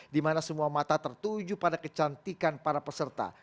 dimana semua mata tertuju pada kecantikan para peserta